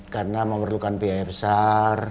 karena memerlukan biaya besar